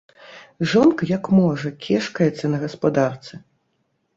Жонка, як можа, кешкаецца на гаспадарцы.